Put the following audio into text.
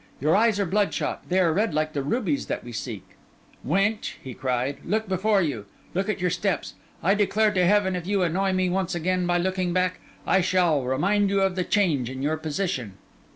Your eyes are bloodshot; they are red like the rubies that we seek.' 'Wench,' he cried, 'look before you; look at your steps. I declare to Heaven, if you annoy me once again by looking back, I shall remind you of the change in your position.